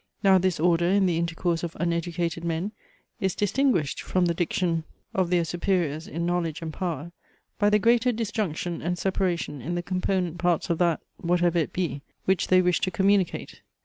Now this order, in the intercourse of uneducated men, is distinguished from the diction of their superiors in knowledge and power, by the greater disjunction and separation in the component parts of that, whatever it be, which they wish to communicate.